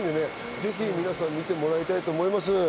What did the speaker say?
ぜひ皆さんに見てもらいたいと思います。